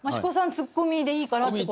ツッコミでいいからってことで。